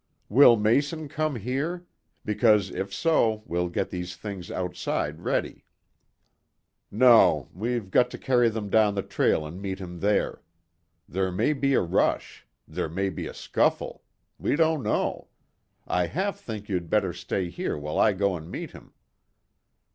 "Will Mason come here? Because, if so, we'll get these things outside ready." "No. We've got to carry them down the trail and meet him there. There may be a rush. There may be a scuffle. We don't know. I half think you'd better stay here while I go and meet him."